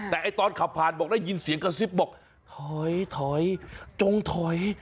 แต่ตอนขับผ่านบอกได้ยินเสียงกระซิบบอกถอยถอยจงถอย